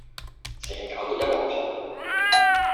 成日攪到一鑊泡